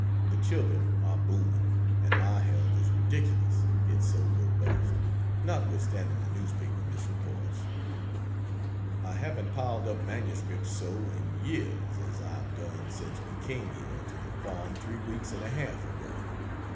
The children are booming, and my health is ridiculous, it's so robust, notwithstanding the newspaper misreports. I haven't piled up MS so in years as I have done since we came here to the farm three weeks and a half ago.